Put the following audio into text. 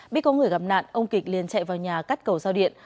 biết có người gặp nạn ông kịch liền chạy vào nhà cắt cầu giao điện